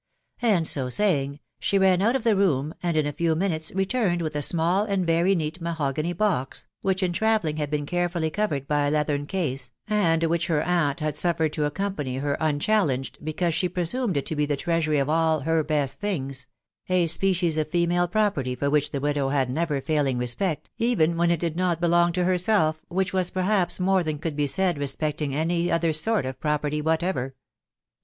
And so saying, fine xaa oat cifc i&» >otn, and in a few minutes returned Vith. a «ns2\ «a& nwj THE WIDOW BARNABY. 109 neat mahogany box, which in travelling had been carefully covered by a leathern case, and which her aunt had suffered to accompany her unchallenged, because she presumed it to be the treasury of all " her best things ;" a species of female property for which the widow had never failing respect, even when it did not belong to herself, which was perhaps more than could be said respecting any other sort of property what ever.